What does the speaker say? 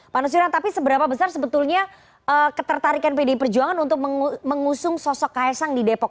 pak nusirwan tapi seberapa besar sebetulnya ketertarikan pdi perjuangan untuk mengusung sosok kaisang di depok